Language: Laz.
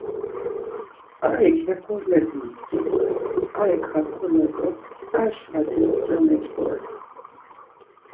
Arik hekole dizdu arik hakole do ar şvacis nca meç̌ǩores.